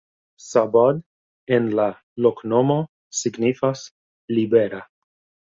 Szabad en la loknomo signifas: libera.